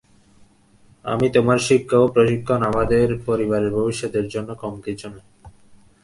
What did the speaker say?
কিন্তু তোমার শিক্ষা এবং প্রশিক্ষণ আমাদের পরিবারের ভবিষ্যতের জন্য কম কিছু নয়।